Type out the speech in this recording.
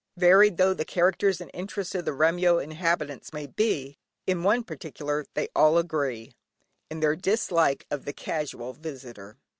Varied though the characters and interests of the Remyo inhabitants may be, in one particular they all agree, i.e. in their dislike of the Casual Visitor.